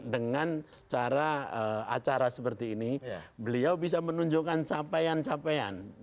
dengan cara acara seperti ini beliau bisa menunjukkan capaian capaian